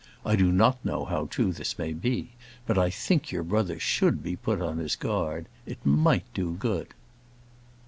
I do not know how true this may be, but I think your brother should be put on his guard: it might do good.